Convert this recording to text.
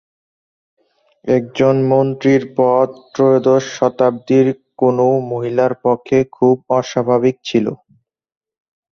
একজন মন্ত্রীর পদ ত্রয়োদশ শতাব্দীর কোনও মহিলার পক্ষে খুব অস্বাভাবিক ছিল।